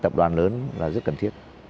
tập đoàn lớn là rất cần thiết